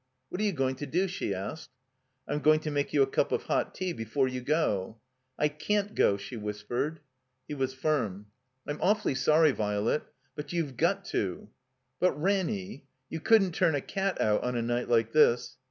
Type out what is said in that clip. "What are you going to do?" she asked. "'I'm going to make you a cup of hot tea before you go." "I can't go," she whispered. He was firm. "I'm awfully sorry, Virelet. But youVe got to." "But, Ranny — ^you couldn't ttun a cat out on a night like this."